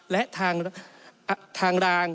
และทางราง